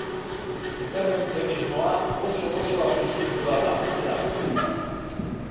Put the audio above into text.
Interbentzionismoa oso-oso arriskutsua da, beraz.